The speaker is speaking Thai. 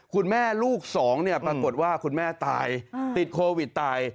คุณแม่ลูกสองเนี่ยปรากฏว่าคุณแม่ตายติดโควิดตาย